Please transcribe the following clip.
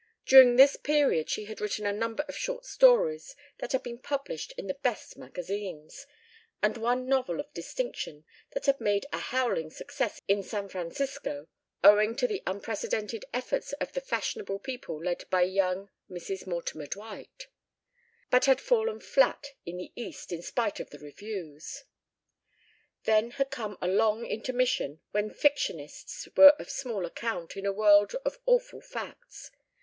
During this period she had written a number of short stories that had been published in the best magazines, and one novel of distinction that had made a "howling success" in San Francisco, owing to the unprecedented efforts of the fashionable people led by young Mrs. Mortimer Dwight; but had fallen flat in the East in spite of the reviews. Then had come a long intermission when fictionists were of small account in a world of awful facts.